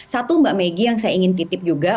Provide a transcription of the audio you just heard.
satu mbak megi yang saya ingin titip juga